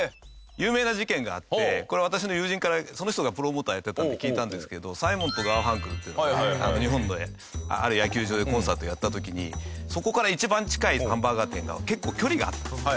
有名な事件があってこれ私の友人からその人がプロモーターやってたので聞いたんですけどサイモン＆ガーファンクルっていうのが日本である野球場でコンサートやった時にそこから一番近いハンバーガー店が結構距離があった。